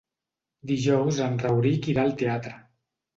Dijous en Rauric irà al teatre.